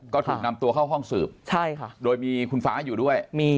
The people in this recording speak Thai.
ก็ถูกนำตัวเข้าห้องสืบใช่ค่ะโดยมีคุณฟ้าอยู่ด้วย